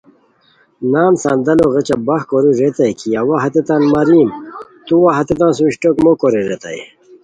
نان صندلو غیچہ باہ کوری ریتائے کی اوا ہتیتان ماریم تو وا ہتیتان سُم اشٹوک موکورے ریتائے